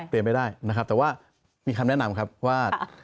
ไม่ได้นะครับแต่ว่ามีคำแนะนำครับว่า